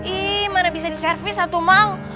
ih mana bisa di servis satu mang